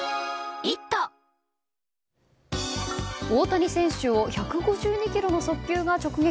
大谷選手を１５２キロの速球が直撃。